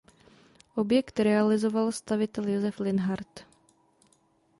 Objekt realizoval stavitel Josef Linhart.